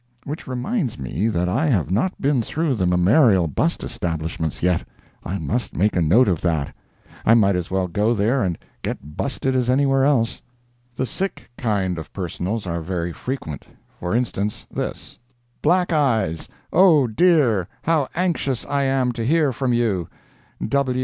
[Which reminds me that I have not been through the mammarial bust establishments yet. I must make a note of that. I might as well go there and get busted as anywhere else.] The "sick" kind of personals are very frequent. For instance, this: "BLACK EYES—OH, DEAR, HOW ANXIOUS I AM TO HEAR from you!